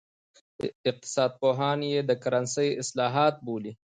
اقتصاد پوهان یې د کرنسۍ اصلاحات بولي.